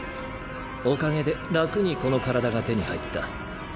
おかげで楽にこの体が手に入った。